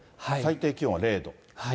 最低気温は０度。